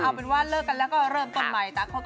เอาเป็นว่าเลิกกันแล้วก็เริ่มต้นใหม่จ้ะ